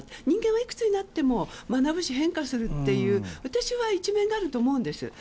人間はいくつになっても学ぶし、変化するという私は一面で、あると思うんです。